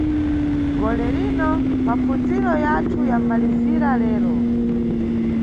Golerino, mapfundziro yathu yamʼmalizira lero.